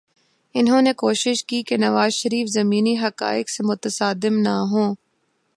انہوں نے کوشش کی کہ نواز شریف زمینی حقائق سے متصادم نہ ہوں۔